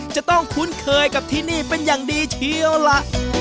จะต้องคุ้นเคยกับที่นี่เป็นอย่างดีเชียวล่ะ